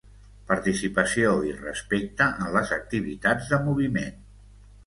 Participació i respecte en les activitats de moviment.